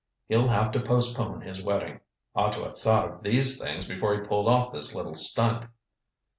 He'll have to postpone his wedding. Ought to have thought of these things before he pulled off his little stunt."